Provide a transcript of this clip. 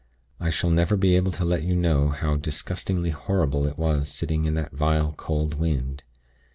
I shall never be able to let you know how disgustingly horrible it was sitting in that vile, cold wind!